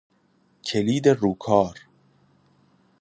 کلید روکار